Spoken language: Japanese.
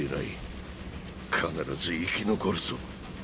必ず生き残るぞ。